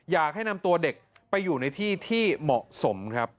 อยากให้นำตัวเด็กไปอยู่ในที่ที่เหมาะสมครับ